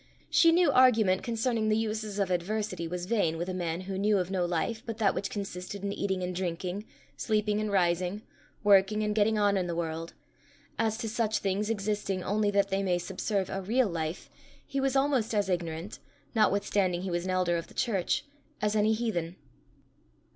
She knew argument concerning the uses of adversity was vain with a man who knew of no life but that which consisted in eating and drinking, sleeping and rising, working and getting on in the world: as to such things existing only that they may subserve a real life, he was almost as ignorant, notwithstanding he was an elder of the church, as any heathen.